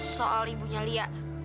soal ibunya lia